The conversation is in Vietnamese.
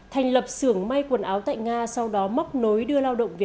thành lập xưởng may quần áo tại nga sau đó móc nối đưa lao động về